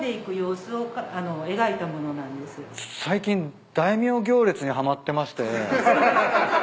最近大名行列にはまってまして。